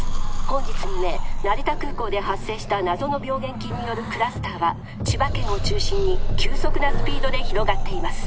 本日未明成田空港で発生した謎の病原菌によるクラスターは千葉県を中心に急速なスピードで広がっています。